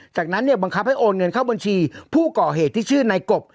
จากนั้นเนี่ยบังคับให้โอนเงินเข้าบัญชีผู้ก่อเหตุที่ชื่อนายกบ